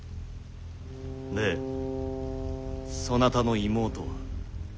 でそなたの妹は？